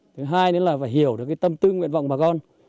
thứ hai là phải hiểu được tâm tư nguyện vọng của bà con